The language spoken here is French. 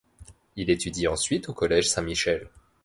Il étudie ensuite au Collège Saint-Michel.